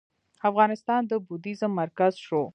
افغانستان د بودیزم مرکز شو